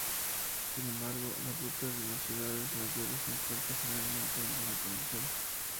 Sin embargo, las rutas de las ciudades mayores se encuentran generalmente en buena condición.